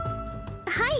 はい！